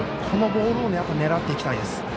このボールを狙っていきたいです。